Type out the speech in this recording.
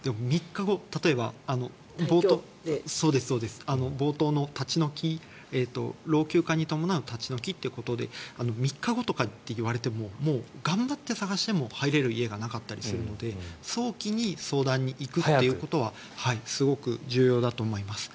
例えば冒頭の立ち退き老朽化に伴う立ち退きということで３日後とか言われてももう頑張って探しても入れる部屋がなかったりするので早期に相談に行くことはすごく重要だと思います。